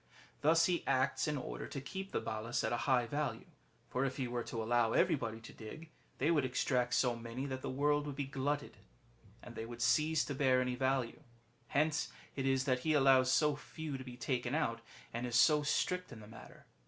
Thus he acts in order to keep the Balas at a high value ; for if he were to allow everybody to dig, they would extract so many that the world would be glutted with them, and they would cease to bear any value. Hence it is that he allows so few to be taken out, and is so strict in the matter.